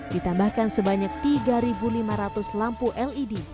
ditambahkan sebanyak tiga lima ratus lampu led